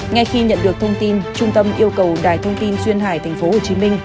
ngay khi nhận được thông tin trung tâm yêu cầu đài thông tin xuyên hải tp hcm